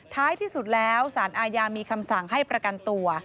ท้ายที่สุดแล้วสารอาญามีคำสั่งให้ประกันตัว